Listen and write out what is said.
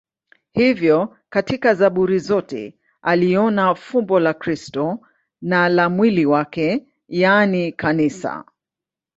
Hivyo katika Zaburi zote aliona fumbo la Kristo na la mwili wake, yaani Kanisa.